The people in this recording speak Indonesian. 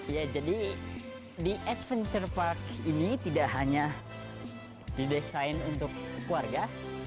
ya jadi di adventure park ini tidak hanya didesain untuk keluarga